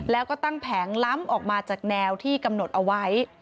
แล้วก็ตั้งแผงล้ำออกมาจากแนวที่กำหนดเอาไว้